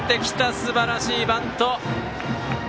すばらしいバント。